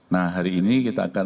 nah hari ini kita akan